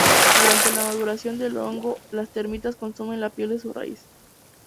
Durante la maduración del hongo, las termitas consumen la piel de su raíz.